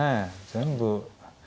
全部。